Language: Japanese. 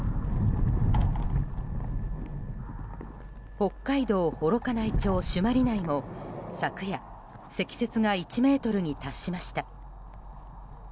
北海道幌加内町朱鞠内も昨夜、積雪が１ｍに達しました。